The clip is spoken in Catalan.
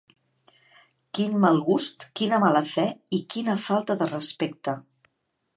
Quin mal gust, quina mala fe i quina falta de respecte.